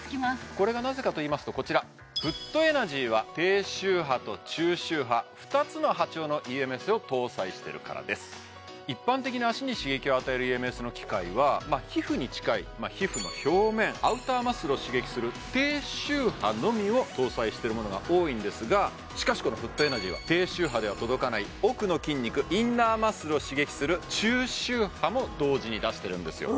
これがなぜかといいますとこちらフットエナジーは低周波と中周波２つの波長のＥＭＳを搭載してるからです一般的な脚に刺激を与えるＥＭＳの機械は皮膚に近いまあ皮膚の表面アウターマッスルを刺激する低周波のみを搭載しているものが多いんですがしかしこのフットエナジーは低周波では届かない奥の筋肉インナーマッスルを刺激する中周波も同時に出してるんですよ